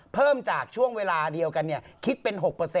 เพิ่มจากช่วงเวลาเดียวกันคิดเป็น๖